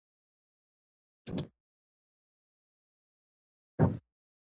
پور ورکوونکي ته مهلت ورکړئ.